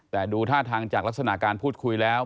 แต่ดูท่าทางจากลักษณะการพูดคุยแล้ว